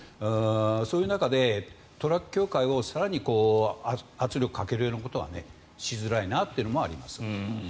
そういう中でトラック協会に更に圧力をかけるということはしづらいなというのがあります。